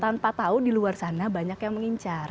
tanpa tahu di luar sana banyak yang mengincar